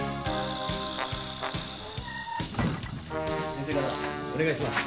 先生方お願いします。